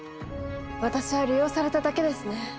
私は利用されただけですね。